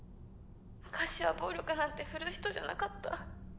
昔は暴力なんて振るう人じゃなかった